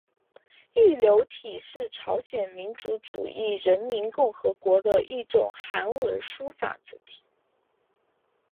玉流体是朝鲜民主主义人民共和国的一种韩文书法字体。